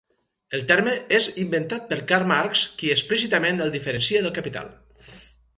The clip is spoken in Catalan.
El terme és inventat per Karl Marx qui explícitament el diferencia del capital.